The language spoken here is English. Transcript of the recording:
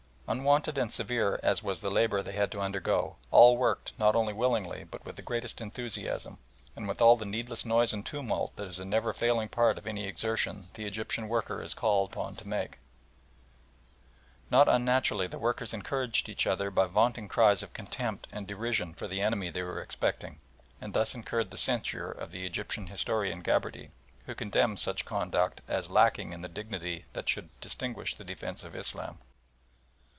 Unwonted and severe as was the labour they had to undergo, all worked not only willingly but with the greatest enthusiasm, and with all the needless noise and tumult that is a never failing part of any exertion the Egyptian worker is called upon to make. Not unnaturally the workers encouraged each other by vaunting cries of contempt and derision for the enemy they were expecting, and thus incurred the censure of the Egyptian historian Gabarty, who condemns such conduct as lacking in the dignity that should distinguish the defence of Islam.